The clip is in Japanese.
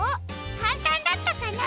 かんたんだったかな？